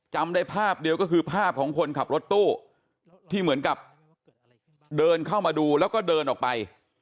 จำได้ภาพเดียวก็คือภาพของคนขับรถตู้ที่เหมือนกับเดินเข้ามาดูแล้วก็เดินออกไป